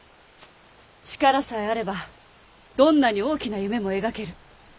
力さえあればどんなに大きな夢も描ける。